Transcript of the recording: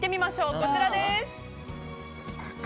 こちらです。